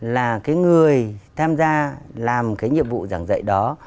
là cái người tham gia làm cái nhiệm vụ giảng dạy đó